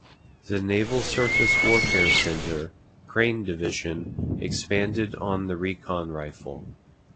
The Naval Surface Warfare Center, Crane Division expanded on the Recon Rifle.